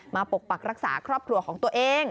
ปกปักรักษาครอบครัวของตัวเอง